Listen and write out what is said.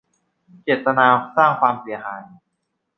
เจตนาสร้างความเสียหาย